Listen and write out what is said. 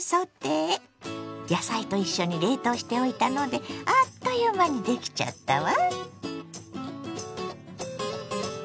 野菜と一緒に冷凍しておいたのであっという間にできちゃったわ。